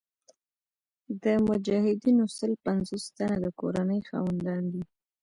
د مجاهدینو سل پنځوس تنه د کورنۍ خاوندان دي.